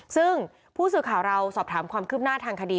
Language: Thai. ซึ่งผู้สื่อข่าวเราสอบถามความคืบหน้าทางคดี